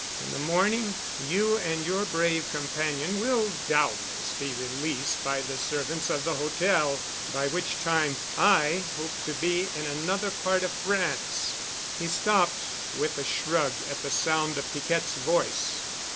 In the morning you and your brave companion will doubtless be released by the servants of the hotel, by which time I hope to be in another part of France!" He stopped with a shrug at the sound of Piquette's voice.